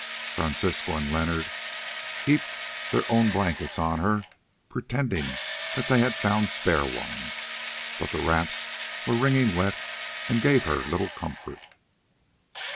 Francisco and Leonard heaped their own blankets on her, pretending that they had found spare ones, but the wraps were wringing wet, and gave her little comfort.